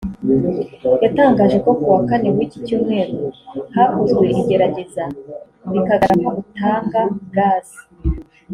yatangaje ko kuwa Kane w’ iki cyumweru hakozwe igerageza bikagaragara ko utanga gaz